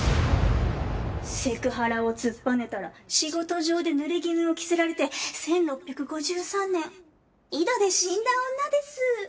セクハラを突っぱねたら仕事上で濡れ衣を着せられて１６５３年井戸で死んだ女です。